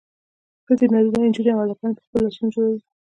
ښځې نارینه نجونې او هلکان یې په خپلو لاسونو جوړوي.